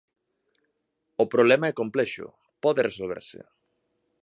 O problema é complexo; pode resolverse.